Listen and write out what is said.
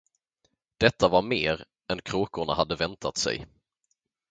Detta var mer, än kråkorna hade väntat sig.